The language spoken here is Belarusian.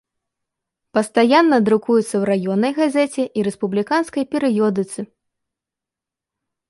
Пастаянна друкуецца ў раённай газеце і рэспубліканскай перыёдыцы.